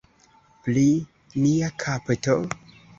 Pri nia kapto?